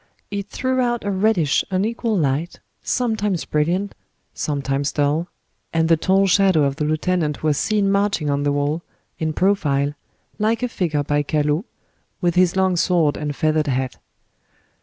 It threw out a reddish, unequal light, sometimes brilliant, sometimes dull, and the tall shadow of the lieutenant was seen marching on the wall, in profile, like a figure by Callot, with his long sword and feathered hat.